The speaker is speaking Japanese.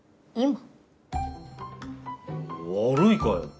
悪いかよ。